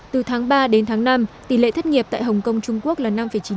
từ tháng ba đến tháng năm tỷ lệ thất nghiệp tại hồng kông trung quốc là năm chín